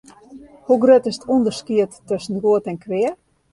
Hoe grut is it ûnderskied tusken goed en kwea?